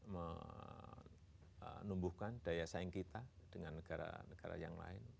menumbuhkan daya saing kita dengan negara negara yang lain